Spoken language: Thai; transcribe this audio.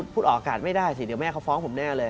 พูดออกอากาศไม่ได้สิเดี๋ยวแม่เขาฟ้องผมแน่เลย